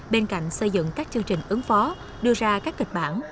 bên cạnh xây dựng các chương trình ứng phó đưa ra các kịch bản